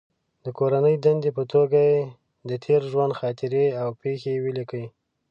د کورنۍ دندې په توګه یې د تېر ژوند خاطرې او پېښې ولیکلې.